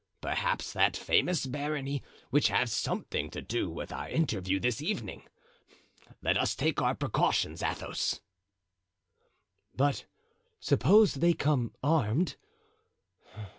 Perhaps that famous barony will have something to do with our interview this evening. Let us take our precautions, Athos." "But suppose they come unarmed?